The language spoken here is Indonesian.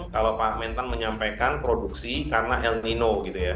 kalau pak mentang menyampaikan produksi karena el nino